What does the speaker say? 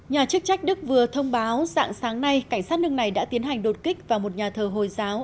nhà chức trách đức vừa thông báo dạng sáng nay cảnh sát nước này đã tiến hành đột kích vào một nhà thờ hồi giáo